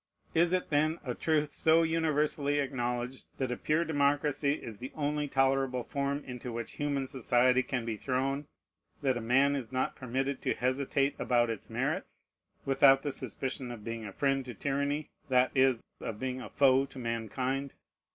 Is it, then, a truth so universally acknowledged, that a pure democracy is the only tolerable form into which human society can be thrown, that a man is not permitted to hesitate about its merits, without the suspicion of being a friend to tyranny, that is, of being a foe to mankind?